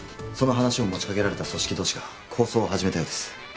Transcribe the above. その話を持ち掛けられた組織同士が抗争を始めたようです。